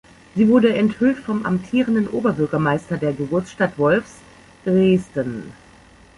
Sie wurde enthüllt vom amtierenden Oberbürgermeister der Geburtsstadt Wolfs, Dresden.